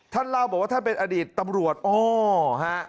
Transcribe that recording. ท่านเล่าบอกว่าท่านเป็นอดีตตำรวจอ้อฮะ